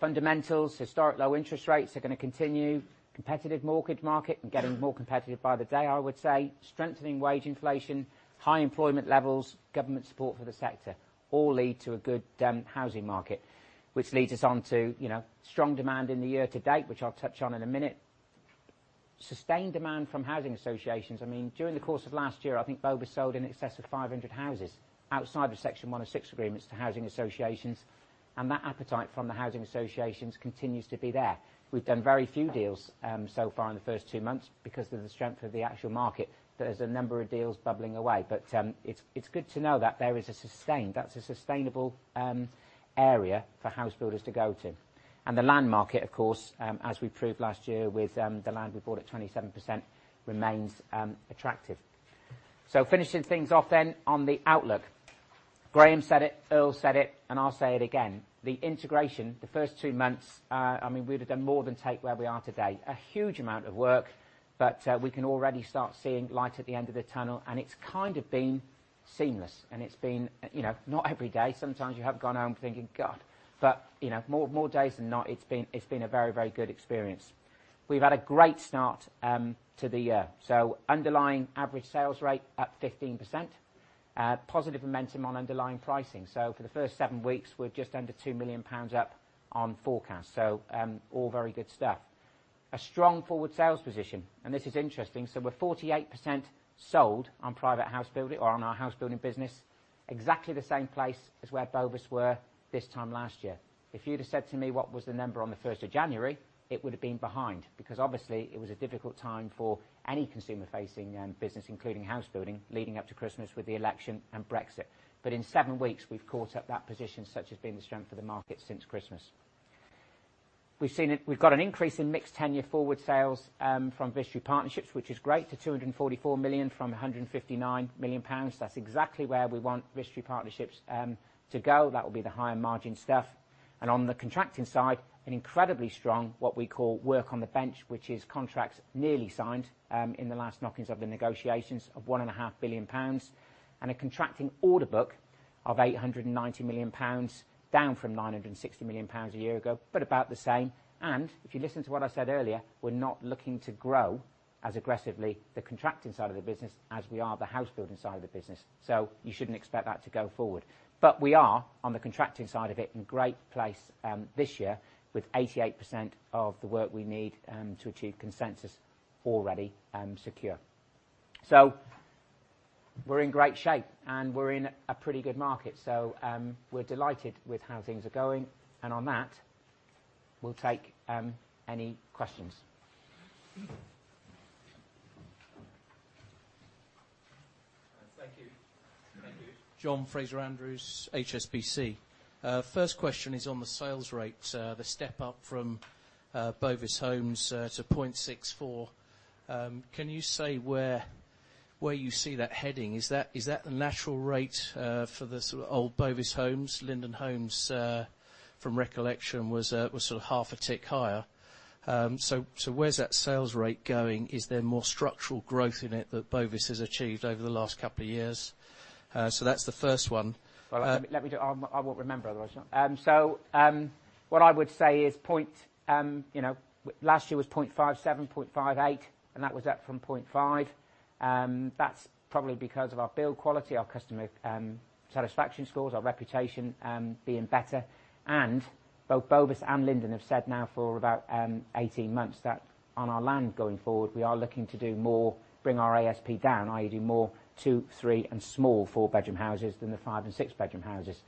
Fundamentals, historic low interest rates are going to continue. Competitive mortgage market and getting more competitive by the day, I would say. Strengthening wage inflation, high employment levels, government support for the sector, all lead to a good housing market, which leads us onto strong demand in the year-to-date, which I'll touch on in a minute. Sustained demand from housing associations. During the course of last year, I think Bovis sold in excess of 500 houses outside of Section 106 agreements to housing associations, and that appetite from the housing associations continues to be there. We've done very few deals so far in the first two months because of the strength of the actual market. There's a number of deals bubbling away. It's good to know that there is a sustained, that's a sustainable area for housebuilders to go to. The land market, of course, as we proved last year with the land we bought at 27%, remains attractive. Finishing things off then on the outlook. Graham said it, Earl said it, and I'll say it again. The integration, the first two months, we'd have done more than take where we are today. A huge amount of work, but we can already start seeing light at the end of the tunnel, and it's kind of been seamless, and it's been not every day. Sometimes you have gone home thinking, God. More days than not, it's been a very, very good experience. We've had a great start to the year. Underlying average sales rate up 15%. Positive momentum on underlying pricing. For the first seven weeks, we're just under 2 million pounds up on forecast. All very good stuff. A strong forward sales position. This is interesting. We're 48% sold on private house building or on our house building business, exactly the same place as where Bovis were this time last year. If you'd have said to me what was the number on the 1st January, it would have been behind because obviously, it was a difficult time for any consumer-facing business, including house building, leading up to Christmas with the election and Brexit. In seven weeks, we've caught up that position, such has been the strength of the market since Christmas. We've got an increase in mixed tenure forward sales from Vistry Partnerships, which is great, to 244 million from 159 million pounds. That's exactly where we want Vistry Partnerships to go. That will be the higher margin stuff. On the contracting side, an incredibly strong, what we call work on the bench, which is contracts nearly signed in the last knockings of the negotiations of 1.5 billion pounds, and a contracting order book of 890 million pounds, down from 960 million pounds a year ago, but about the same. If you listen to what I said earlier, we're not looking to grow as aggressively the contracting side of the business as we are the housebuilding side of the business. You shouldn't expect that to go forward. We are, on the contracting side of it, in great place this year with 88% of the work we need to achieve consensus already secure. We're in great shape, and we're in a pretty good market. We're delighted with how things are going. On that, we'll take any questions. Thank you. Thank you. John Fraser-Andrews, HSBC. First question is on the sales rate, the step up from Bovis Homes to 0.64. Can you say where you see that heading? Is that the natural rate for the sort of old Bovis Homes? Linden Homes, from recollection, was sort of half a tick higher. Where's that sales rate going? Is there more structural growth in it that Bovis has achieved over the last couple of years? That's the first one. Well, let me do it. I won't remember otherwise. What I would say is last year was 0.57, 0.58, and that was up from 0.5. That's probably because of our build quality, our customer satisfaction scores, our reputation being better. Both Bovis and Linden have said now for about 18 months that on our land going forward, we are looking to do more, bring our ASP down, i.e. do more two, three, and small four-bedroom houses than the five and six-bedroom houses.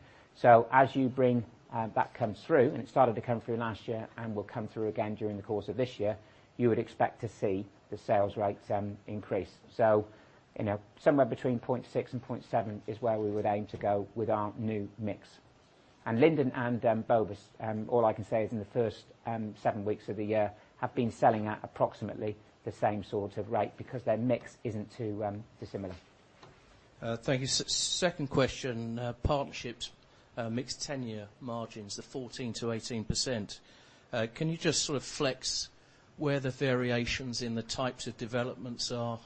As that comes through, and it started to come through last year and will come through again during the course of this year, you would expect to see the sales rates increase. Somewhere between 0.6 and 0.7 is where we would aim to go with our new mix. Linden and Bovis, all I can say is in the first seven weeks of the year have been selling at approximately the same sort of rate because their mix isn't too dissimilar. Thank you. Second question, partnerships, mixed tenure margins, the 14%-18%. Can you just sort of flex where the variations in the types of developments are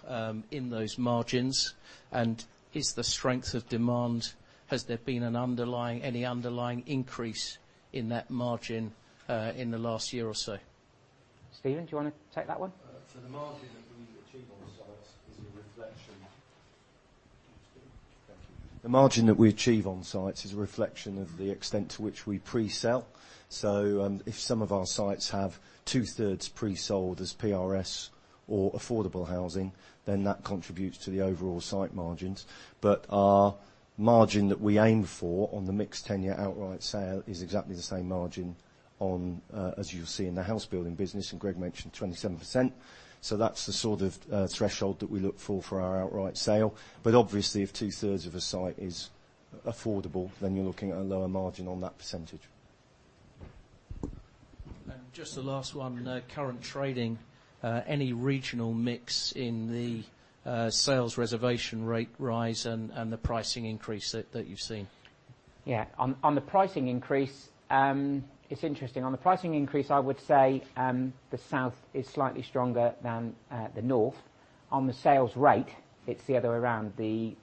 in those margins, and is the strength of demand, has there been any underlying increase in that margin, in the last year or so? Stephen, do you want to take that one? The margin that we achieve on sites is a reflection of the extent to which we pre-sell. If some of our sites have 2/3 pre-sold as PRS or affordable housing, then that contributes to the overall site margins. Our margin that we aim for on the mixed tenure outright sale is exactly the same margin on, as you'll see in the house building business, and Greg mentioned 27%. That's the sort of threshold that we look for for our outright sale. Obviously, if 2/3 of a site is affordable, then you're looking at a lower margin on that percentage. Just the last one, current trading, any regional mix in the sales reservation rate rise and the pricing increase that you've seen? Yeah. On the pricing increase, it's interesting. On the pricing increase, I would say, the south is slightly stronger than the north. On the sales rate, it's the other way around. The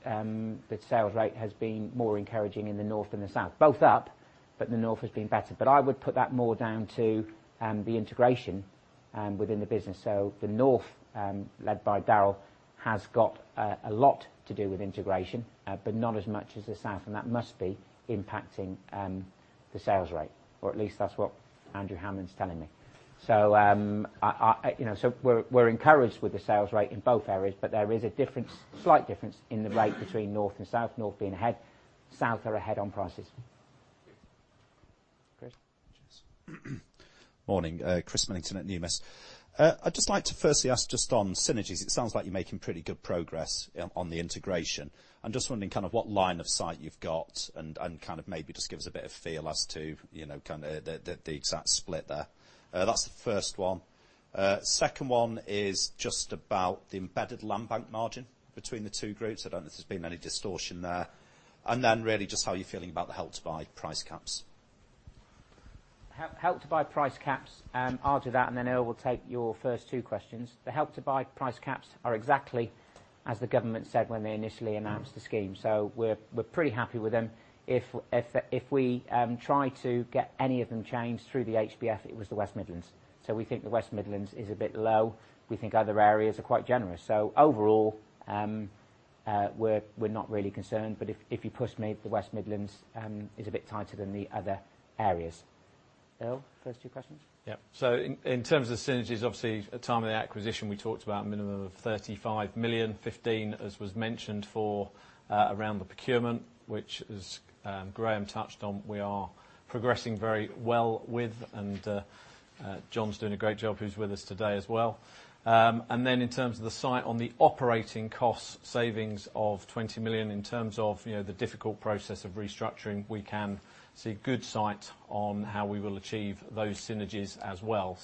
sales rate has been more encouraging in the north than the south. Both up, the north has been better. I would put that more down to the integration within the business. The north, led by Darrell, has got a lot to do with integration, but not as much as the south. That must be impacting the sales rate, or at least that's what Andrew Hammond's telling me. We're encouraged with the sales rate in both areas, but there is a slight difference in the rate between north and south, north being ahead. South are ahead on prices. Chris? Cheers. Morning. Chris Millington at Numis. I'd just like to firstly ask just on synergies, it sounds like you're making pretty good progress on the integration. I'm just wondering kind of what line of sight you've got and kind of maybe just give us a bit of feel as to kind of the exact split there. That's the first one. Second one is just about the embedded land bank margin between the two groups. I don't know if there's been any distortion there. Really just how you're feeling about the Help to Buy price caps? Help to Buy price caps, I'll do that. Earl will take your first two questions. The Help to Buy price caps are exactly as the government said when they initially announced the scheme. We're pretty happy with them. If we try to get any of them changed through the HBF, it was the West Midlands. We think the West Midlands is a bit low. We think other areas are quite generous. Overall, we're not really concerned, but if you push me, the West Midlands is a bit tighter than the other areas. Earl, first two questions? In terms of synergies, obviously at the time of the acquisition, we talked about a minimum of 35 million, 15 million as was mentioned for around the procurement, which as Graham touched on, we are progressing very well with, and John's doing a great job who's with us today as well. Then in terms of the site on the operating costs, savings of 20 million in terms of the difficult process of restructuring, we can see good sight on how we will achieve those synergies as well.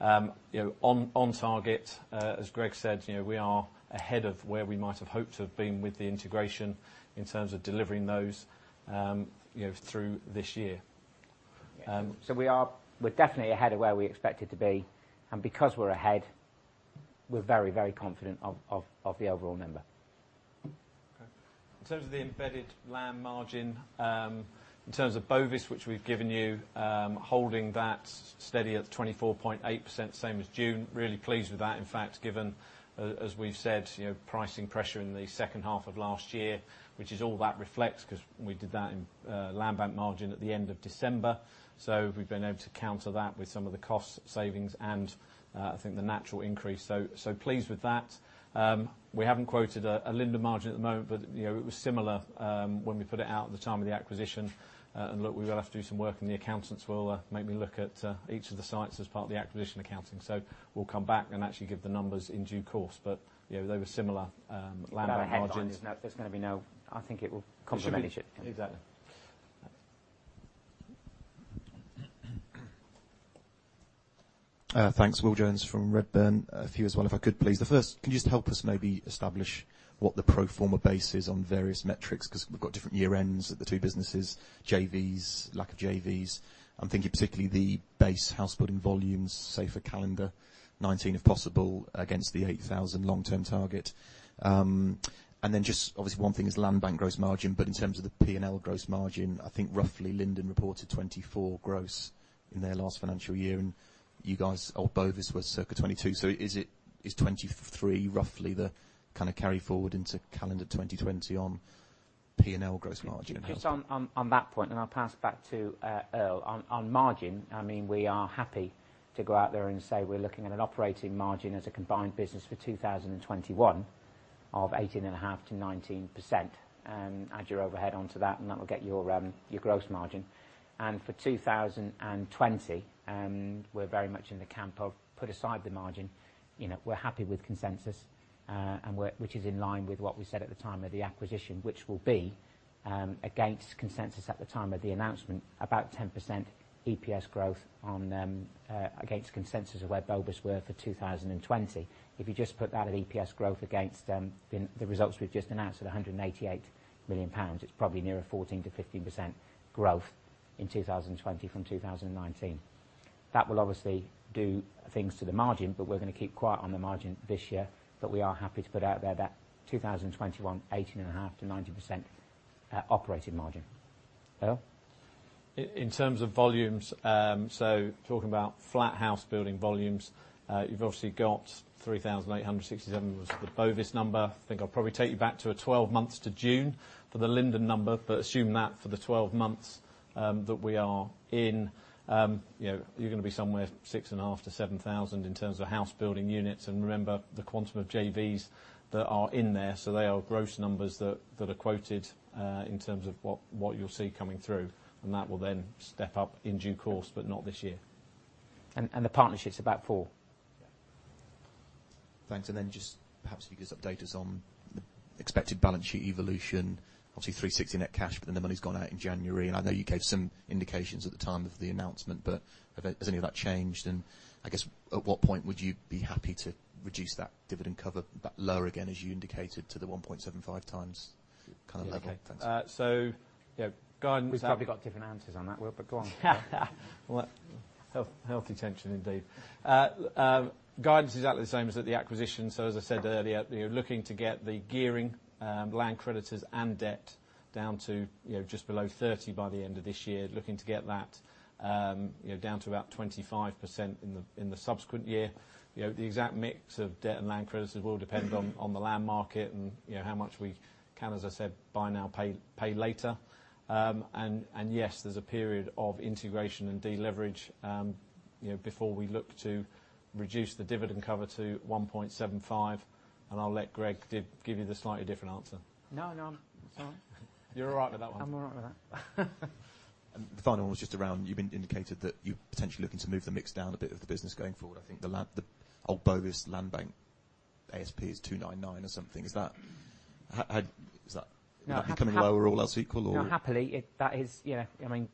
On target, as Greg said, we are ahead of where we might have hoped to have been with the integration in terms of delivering those through this year. We're definitely ahead of where we expected to be, and because we're ahead, we're very confident of the overall number. Okay. In terms of the embedded land margin, in terms of Bovis, which we've given you, holding that steady at 24.8%, same as June, really pleased with that, in fact, given, as we've said, pricing pressure in the second half of last year, which is all that reflects because we did that in land bank margin at the end of December. We've been able to counter that with some of the cost savings and, I think the natural increase. Pleased with that. We haven't quoted a Linden margin at the moment, but it was similar when we put it out at the time of the acquisition. Look, we're going to have to do some work and the accountants will make me look at each of the sites as part of the acquisition accounting. We'll come back and actually give the numbers in due course. They were similar land bank margins. I think it will compensate it. Exactly. Thanks. Will Jones from Redburn. A few as well if I could, please. The first, can you just help us maybe establish what the pro forma base is on various metrics? We've got different year ends at the two businesses, JVs, lack of JVs. I'm thinking particularly the base house building volumes, say for calendar 2019, if possible, against the 8,000 long-term target. Then just obviously one thing is land bank gross margin, but in terms of the P&L gross margin, I think roughly Linden reported 24% gross in their last financial year, and you guys, or Bovis, was circa 22%. Is 23% roughly the kind of carry forward into calendar 2020 on P&L gross margin? Just on that point, I'll pass it back to Earl. On margin, we are happy to go out there and say we're looking at an operating margin as a combined business for 2021 of 18.5%-19%. Add your overhead onto that, and that will get you your gross margin. For 2020, we're very much in the camp of put aside the margin. We're happy with consensus, which is in line with what we said at the time of the acquisition, which will be against consensus at the time of the announcement about 10% EPS growth against consensus of where Bovis were for 2020. If you just put that at EPS growth against the results we've just announced at 188 million pounds, it's probably nearer 14%-15% growth in 2020 from 2019. That will obviously do things to the margin, but we're going to keep quiet on the margin this year, but we are happy to put out there that 2021, 18.5%-19% operating margin. Earl? In terms of volumes, talking about flat housebuilding volumes, you've obviously got 3,867 was the Bovis number. I think I'll probably take you back to a 12 months to June for the Linden number, assume that for the 12 months that we are in. You're going to be somewhere 6,500-7,000 in terms of housebuilding units. Remember, the quantum of JVs that are in there, they are gross numbers that are quoted, in terms of what you'll see coming through. That will step up in due course, not this year. The partnerships are about four. Thanks. Perhaps if you could just update us on the expected balance sheet evolution. Obviously 360 million net cash, but then the money's gone out in January. I know you gave some indications at the time of the announcement, but has any of that changed? I guess at what point would you be happy to reduce that dividend cover back lower again, as you indicated to the 1.75x kind of level? Thanks. Okay. Yeah. We've probably got different answers on that, Earl, but go on. Healthy tension indeed. Guidance is exactly the same as at the acquisition. As I said earlier, you're looking to get the gearing, land creditors, and debt down to just below 30 by the end of this year. Looking to get that down to about 25% in the subsequent year. The exact mix of debt and land creditors will depend on the land market and how much we can, as I said, buy now, pay later. Yes, there's a period of integration and deleverage before we look to reduce the dividend cover to 1.75. I'll let Greg give you the slightly different answer. No, I'm fine. You're all right with that one? I'm all right with that. The final one was just around, you've indicated that you're potentially looking to move the mix down a bit of the business going forward. I think the old Bovis land bank ASP is 299 or something. Is that becoming lower all else equal or? No, happily, that is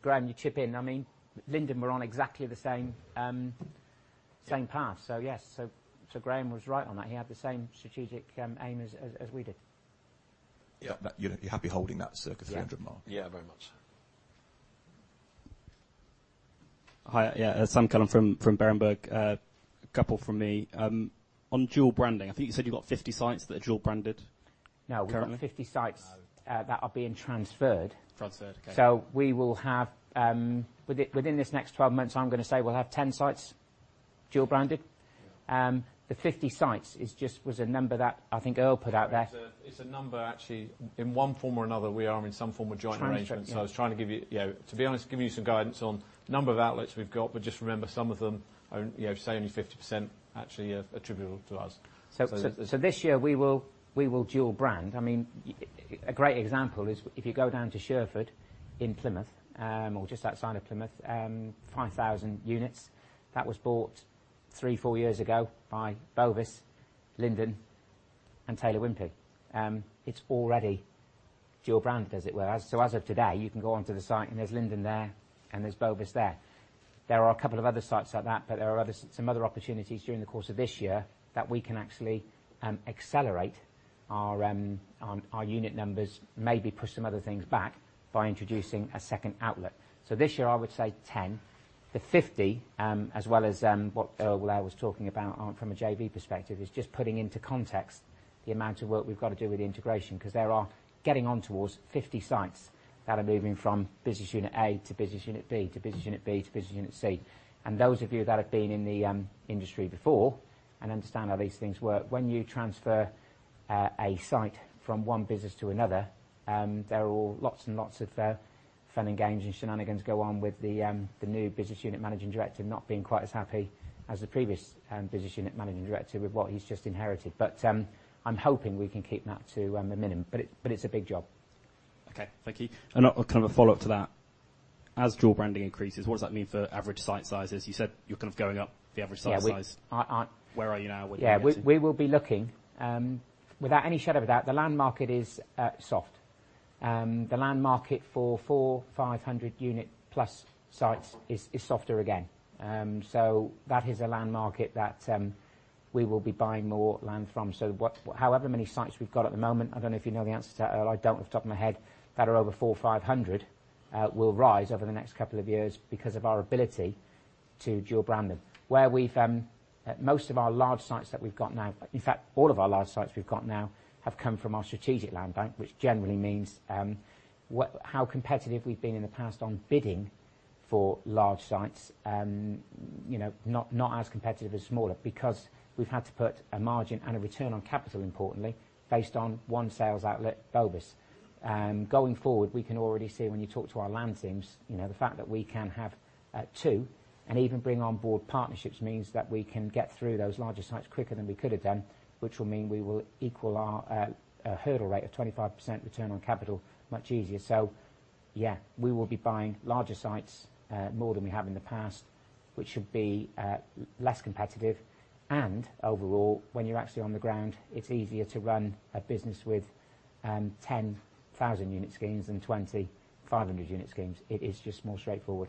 Graham, you chip in. Linden were on exactly the same path. Yes. Graham was right on that. He had the same strategic aim as we did. Yeah. You're happy holding that circa 300 mark? Yeah, very much. Hi, yeah. Sam Cullen from Berenberg. A couple from me. On dual branding, I think you said you've got 50 sites that are dual branded currently? No, we've got 50 sites that are being transferred. Transferred, okay. We will have, within this next 12 months, I'm going to say we'll have 10 sites dual branded. Yeah. The 50 sites was a number that I think Earl put out there. It's a number, actually, in one form or another, we are in some form of joint arrangement. Transfer, yeah. I was trying to give you, to be honest, give you some guidance on number of outlets we've got, but just remember, some of them, say only 50% actually attributable to us. This year, we will dual brand. A great example is if you go down to Sherford in Plymouth, or just outside of Plymouth, 5,000 units. That was bought three, four years ago by Bovis, Linden and Taylor Wimpey. It's already dual branded, as it were. As of today, you can go onto the site and there's Linden there and there's Bovis there. There are a couple of other sites like that, but there are some other opportunities during the course of this year that we can actually accelerate our unit numbers, maybe push some other things back, by introducing a second outlet. This year, I would say 10. The 50, as well as what Earl was talking about from a JV perspective, is just putting into context the amount of work we've got to do with the integration, because there are getting on towards 50 sites that are moving from business unit A to business unit B, to business unit B, to business unit C. Those of you that have been in the industry before and understand how these things work, when you transfer a site from one business to another, there are lots and lots of fun and games and shenanigans go on with the new business unit managing director not being quite as happy as the previous business unit managing director with what he's just inherited. I'm hoping we can keep that to a minimum. It's a big job. Okay, thank you. Kind of a follow-up to that. As dual branding increases, what does that mean for average site sizes? You said you're kind of going up, the average site size. Yeah, we-- I- Where are you now? What are you looking? Yeah. We will be looking, without any shadow of a doubt, the land market is soft. The land market for 400-500 unit plus sites is softer again. That is a land market that we will be buying more land from. However many sites we've got at the moment, I don't know if you know the answer to that, Earl, I don't off the top of my head, that are over 400 or 500 will rise over the next couple of years because of our ability to dual brand them. Most of our large sites that we've got now, in fact, all of our large sites we've got now have come from our strategic land bank, which generally means how competitive we've been in the past on bidding for large sites. Not as competitive as smaller because we've had to put a margin and a return on capital, importantly, based on one sales outlet, Bovis. Going forward, we can already see when you talk to our land teams, the fact that we can have two and even bring on board partnerships means that we can get through those larger sites quicker than we could have done, which will mean we will equal our hurdle rate of 25% return on capital much easier. Yeah, we will be buying larger sites, more than we have in the past, which should be less competitive. Overall, when you're actually on the ground, it's easier to run a business with 10,000 unit schemes than 20 500 unit schemes. It is just more straightforward.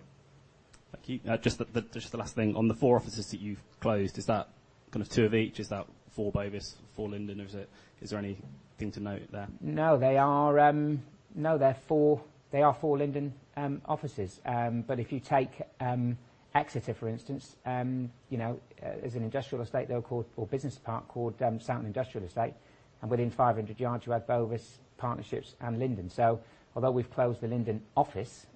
Thank you. Just the last thing. On the four offices that you've closed, is that kind of two of each? Is that four Bovis, four Linden? Is there anything to note there? No, they're four Linden offices. If you take Exeter, for instance, as an industrial estate there called, or business park called Sowton Industrial Estate, and within 500 yards, you have Bovis, Partnerships and Linden. Although we've closed the Linden office,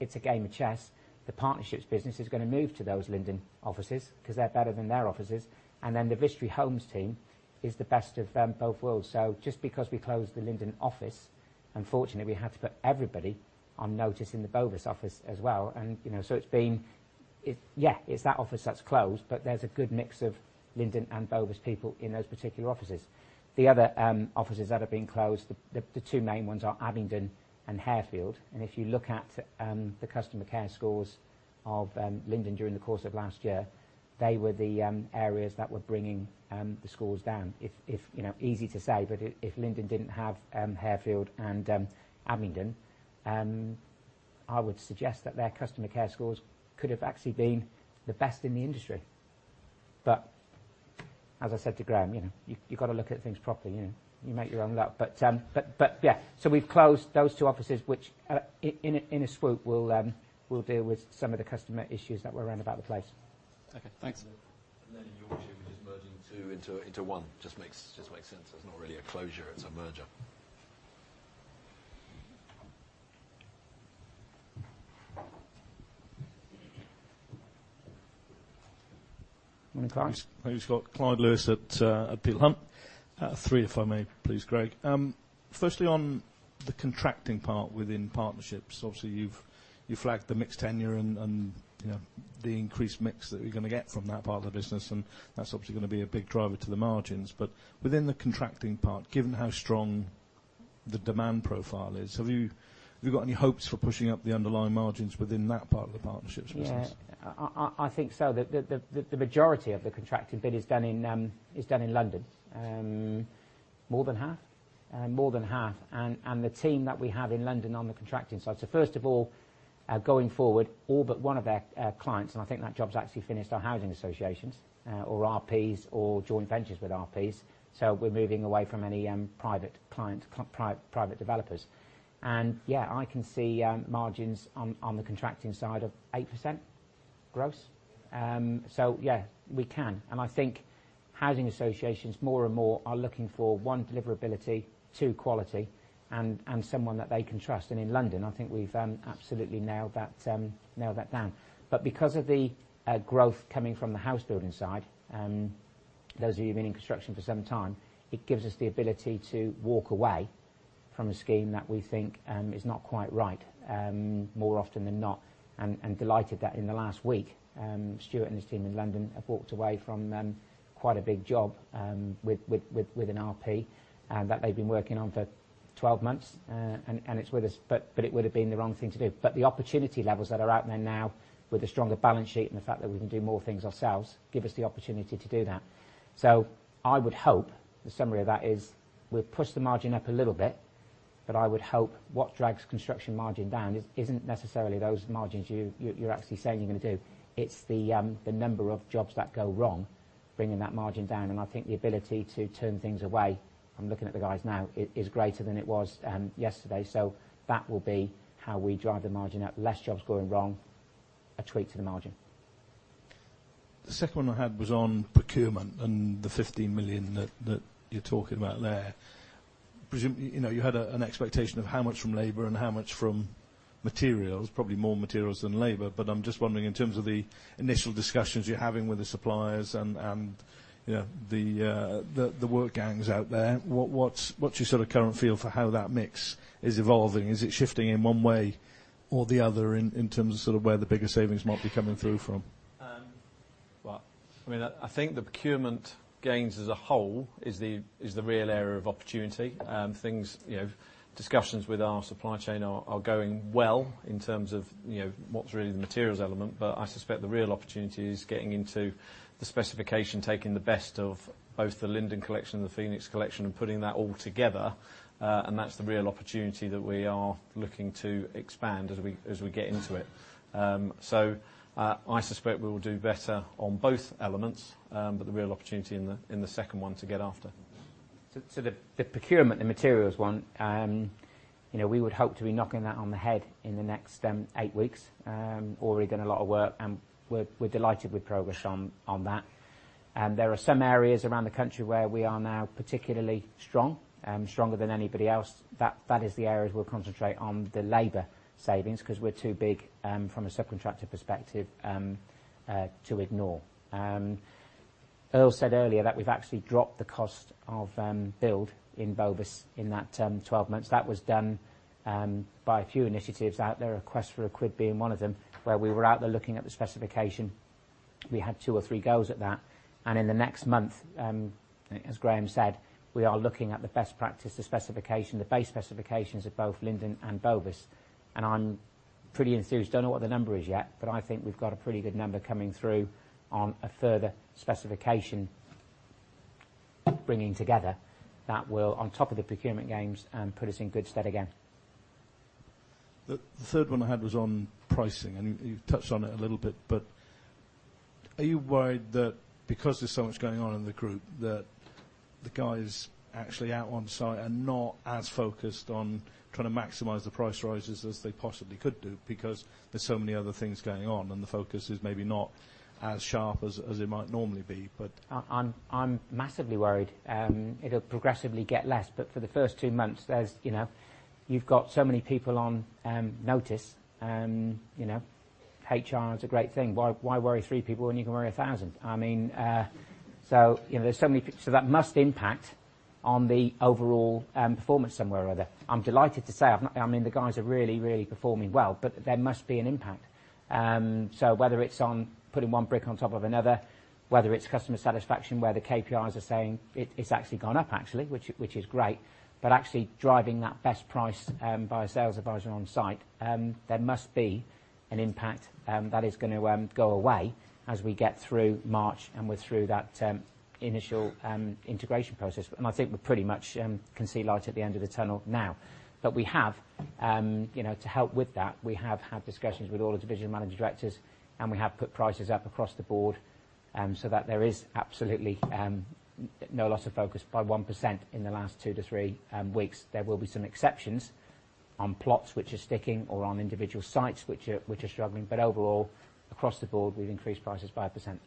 it's a game of chess. The Partnerships business is going to move to those Linden offices because they're better than their offices. The Vistry Homes team is the best of both worlds. Just because we closed the Linden office, unfortunately, we had to put everybody on notice in the Bovis office as well. It's been, yeah, it's that office that's closed, but there's a good mix of Linden and Bovis people in those particular offices. The other offices that are being closed, the two main ones are Abingdon and Harefield. If you look at the customer care scores of Linden during the course of last year, they were the areas that were bringing the scores down. Easy to say, but if Linden didn't have Harefield and Abingdon, I would suggest that their customer care scores could have actually been the best in the industry. As I said to Graham, you've got to look at things properly. You make your own luck. Yeah. We've closed those two offices, which in a swoop will deal with some of the customer issues that were around about the place. Okay, thanks. Your two, which is merging two into one, just makes sense. It's not really a closure, it's a merger. Want to come across? Thanks, Greg Fitzgerald. Clyde Lewis at Peel Hunt. Three, if I may please, Greg. Firstly, on the contracting part within Partnerships, obviously you've flagged the mixed tenure and the increased mix that you're going to get from that part of the business, and that's obviously going to be a big driver to the margins. Within the contracting part, given how strong the demand profile is, have you got any hopes for pushing up the underlying margins within that part of the Partnerships business? Yeah. I think so. The majority of the contracting bit is done in London. More than half? More than half. The team that we have in London on the contracting side. First of all, going forward, all but one of their clients, and I think that job's actually finished, are housing associations, or RPs or joint ventures with RPs. We're moving away from any private developers. Yeah, I can see margins on the contracting side of 8% gross. Yeah, we can, and I think housing associations more and more are looking for, one, deliverability, two, quality, and someone that they can trust. In London, I think we've absolutely nailed that down. Because of the growth coming from the housebuilding side, those of you been in construction for some time, it gives us the ability to walk away from a scheme that we think is not quite right, more often than not. Delighted that in the last week, Stuart and his team in London have walked away from quite a big job with an RP that they've been working on for 12 months. It's with us, but it would've been the wrong thing to do. The opportunity levels that are out there now with a stronger balance sheet and the fact that we can do more things ourselves, give us the opportunity to do that. I would hope the summary of that is we've pushed the margin up a little bit, but I would hope what drags construction margin down isn't necessarily those margins you're actually saying you're going to do. It's the number of jobs that go wrong, bringing that margin down. I think the ability to turn things away, I'm looking at the guys now, is greater than it was yesterday. That will be how we drive the margin up. Less jobs going wrong, a tweak to the margin. The second one I had was on procurement and the 15 million that you are talking about there. Presumably, you had an expectation of how much from labor and how much from materials, probably more materials than labor, but I am just wondering in terms of the initial discussions you are having with the suppliers and the work gangs out there, what is your sort of current feel for how that mix is evolving? Is it shifting in one way or the other in terms of sort of where the bigger savings might be coming through from? Well, I think the procurement gains as a whole is the real area of opportunity. Discussions with our supply chain are going well in terms of what's really the materials element. I suspect the real opportunity is getting into the specification, taking the best of both the Linden Collection and the Phoenix collection, and putting that all together. That's the real opportunity that we are looking to expand as we get into it. I suspect we will do better on both elements, but the real opportunity in the second one to get after. The procurement, the materials one, we would hope to be knocking that on the head in the next eight weeks. Already done a lot of work, and we're delighted with progress on that. There are some areas around the country where we are now particularly strong, stronger than anybody else. That is the areas we'll concentrate on the labor savings, because we're too big, from a subcontractor perspective, to ignore. Earl said earlier that we've actually dropped the cost of build in Bovis in that 12 months. That was done by a few initiatives out there, Request for a Quote being one of them, where we were out there looking at the specification. We had two or three goes at that. In the next month, as Graham said, we are looking at the best practice, the specification, the base specifications of both Linden and Bovis, and I am pretty enthused. Do not know what the number is yet, but I think we have got a pretty good number coming through on a further specification bringing together that will, on top of the procurement gains, put us in good stead again. The third one I had was on pricing, and you've touched on it a little bit, but are you worried that because there's so much going on in the group that the guys actually out on site are not as focused on trying to maximize the price rises as they possibly could do because there's so many other things going on, and the focus is maybe not as sharp as it might normally be. I'm massively worried. It'll progressively get less, but for the first two months, you've got so many people on notice. HR is a great thing. Why worry three people when you can worry a thousand? That must impact on the overall performance somewhere or other. I'm delighted to say, the guys are really performing well, but there must be an impact. Whether it's on putting one brick on top of another, whether it's customer satisfaction, where the KPIs are saying it's actually gone up, which is great, but actually driving that best price by a sales advisor on site, there must be an impact that is going to go away as we get through March, and we're through that initial integration process. I think we pretty much can see light at the end of the tunnel now. We have, to help with that, we have had discussions with all the division managing directors, and we have put prices up across the board, so that there is absolutely no loss of focus by 1% in the last two to three weeks. There will be some exceptions on plots which are sticking or on individual sites which are struggling, but overall, across the board, we've increased prices 5%.